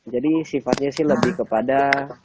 jadi sifatnya sih lebih kepada